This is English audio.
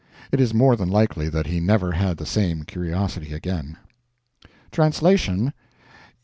It is more than likely that he never had the same curiosity again. (TRANSLATION.)